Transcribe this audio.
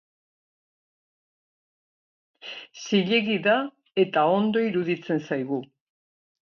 Zilegi da eta ondo iruditzen zaigu.